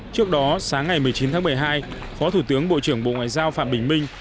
trước đó sáng ngày một mươi chín tháng một mươi hai phó thủ tướng bộ trưởng bộ ngoại giao phạm bình minh